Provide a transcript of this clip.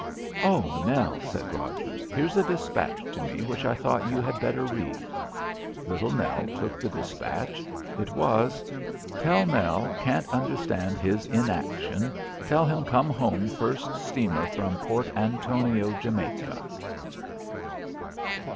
"Oh, Nell," said Rogers, "here's a despatch to me which I thought you had better read." Little Nell took the despatch. It was: "Tell Nell can't understand his inaction; tell him come home first steamer from Port Antonio, Jamaica."